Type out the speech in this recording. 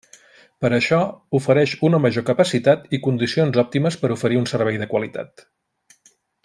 Per això, ofereix una major capacitat i condicions òptimes per oferir un servei de qualitat.